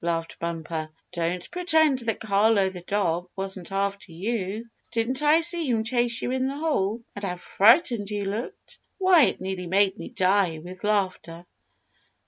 laughed Bumper. "Don't pretend that Carlo, the dog, wasn't after you. Didn't I see him chase you in the hole? And how frightened you looked! Why, it nearly made me die with laughter."